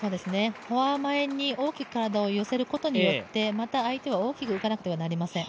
フォア前に大きく体を寄せることによってまた相手は大きく動かなくてはなりません。